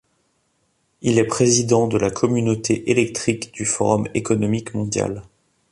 Il est président de la Communauté électrique du Forum économique mondial.